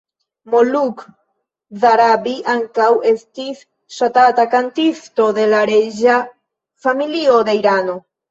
Moluk Zarabi ankaŭ estis ŝatata kantisto de la reĝa familio de Irano.